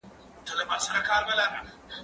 زه بايد پاکوالی وکړم،